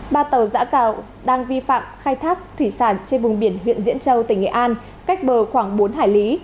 ba tàu giã cào đang vi phạm khai thác thủy sản trên vùng biển huyện diễn châu tỉnh nghệ an cách bờ khoảng bốn hải lý